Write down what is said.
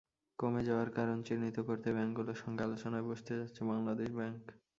কমে যাওয়ার কারণ চিহ্নিত করতে ব্যাংকগুলোর সঙ্গে আলোচনায় বসতে যাচ্ছে বাংলাদেশ ব্যাংক।